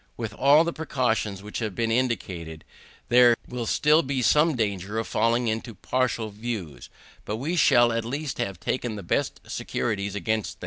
With all the precautions which have been indicated there will still be some danger of falling into partial views; but we shall at least have taken the best securities against it.